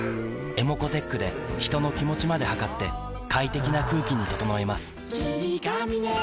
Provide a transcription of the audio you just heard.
ｅｍｏｃｏーｔｅｃｈで人の気持ちまで測って快適な空気に整えます